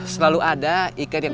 selalu ada ikan yang